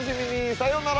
さようなら！